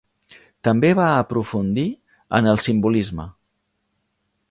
També va aprofundir en el simbolisme.